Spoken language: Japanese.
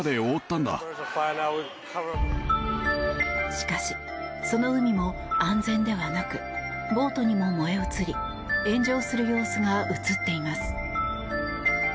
しかし、その海も安全ではなくボートにも燃え移り炎上する様子が映っています。